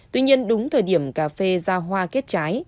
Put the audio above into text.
tuy nhiên đúng thời điểm cà phê ra hoa kết trái